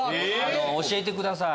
教えてください。